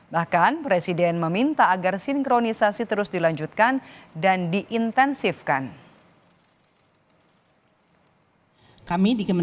bahkan presiden meminta agar sinkronisasi terus dilanjutkan dan diintensifkan